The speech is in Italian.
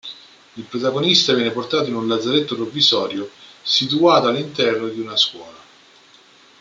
Il protagonista viene portato in un lazzaretto provvisorio situato all'interno di una scuola.